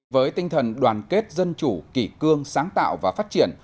với tinh thần đoàn kết dân chủ kỷ cương sáng tạo và phát triển